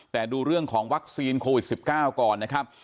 แต่ดูเรื่องของวัคซีนโควิด๑๙ก่อนนะครับ